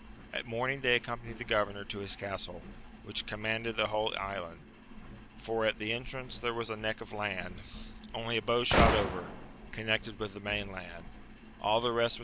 At morning they accompanied the governor to his castle, which commanded the whole island, for at the entrance there was a neck of land, only a bow shot over, connected with the main land, all the rest was AMADIS OF GAUL.